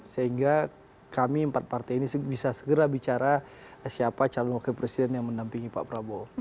sehingga kami empat partai ini bisa segera bicara siapa calon wakil presiden yang mendampingi pak prabowo